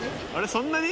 そんなに？